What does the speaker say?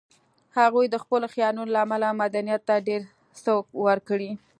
هغوی د خپلو خیالونو له امله مدنیت ته ډېر څه ورکړي